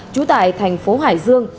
trú tại thành phố hải dương